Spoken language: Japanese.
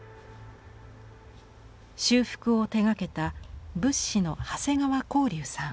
修復を手がけた仏師の長谷川高隆さん。